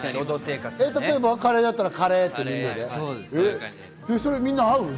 例えばカレーだったら、カレーってみんなで？